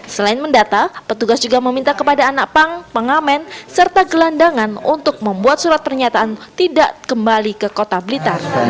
selain mendata petugas juga meminta kepada anak pang pengamen serta gelandangan untuk membuat surat pernyataan tidak kembali ke kota blitar